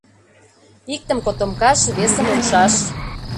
Иктым — котомкаш, весым — умшаш.